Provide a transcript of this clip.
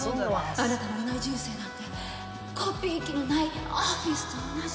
あなたのいない人生なんてコピー機のないオフィスと同じ。